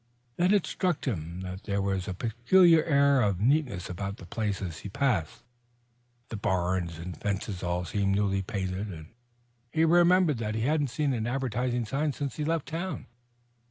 Then it struck him that there was a peculiar air of neatness about the places he passed. The barns and fences all seemed newly painted, and he remembered that he hadn't seen an advertising sign since he left town.